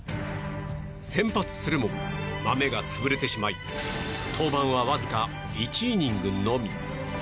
先発するも、マメが潰れてしまい登板はわずか１イニングのみ。